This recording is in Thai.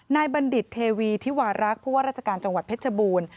บัณฑิตเทวีธิวารักษ์ผู้ว่าราชการจังหวัดเพชรบูรณ์